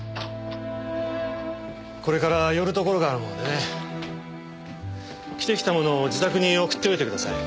これから寄るところがあるもんでね。着てきたものを自宅に送っておいてください。